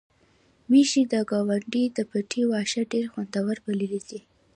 میښې د ګاونډي د پټي واښه ډېر خوندور بللي دي.